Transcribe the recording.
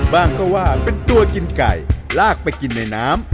บ้างก็ว่าเป็นตัวกินไก่ลากไปกินในน้ำ